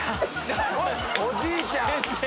おじいちゃん。